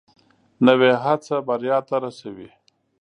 نوې هڅه بریا ته رسوي